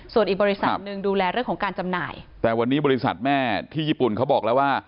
ส่วนอีกบริษัทหนึ่งดูแลเรื่องของการจำหน่ายแต่วันนี้บริษัทแม่ที่ญี่ปุ่นเขาบอกแล้วว่า